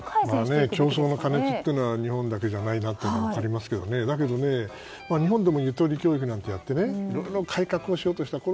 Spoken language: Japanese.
競争の過熱というのは日本だけではないというのが分かりますけど日本でもゆとり教育なんてやっていろいろ改革をしようとした。